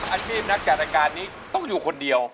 อาชีพนักจัดรายการนี้ต้องอยู่คนเดียว